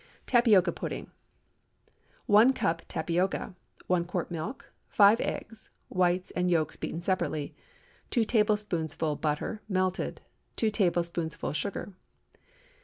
TAPIOCA PUDDING. ✠ 1 cup tapioca. 1 quart milk. 5 eggs—whites and yolks beaten separately. 2 tablespoonfuls butter, melted. 2 tablespoonfuls sugar.